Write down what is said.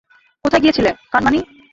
কোথায় গিয়েছিলে, কানমাণি?